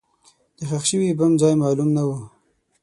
د ښخ شوي بم ځای معلوم نه و.